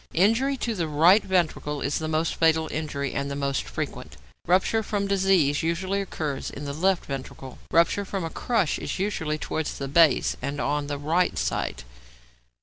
Injury to the right ventricle is the most fatal injury and the most frequent. Rupture from disease usually occurs in the left ventricle; rupture from a crush is usually towards the base and on the right side.